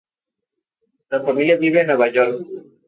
La familia vive en Nueva York.